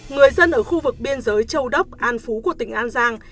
người dân ở khu vực biên giới châu đốc an phú của tỉnh an giang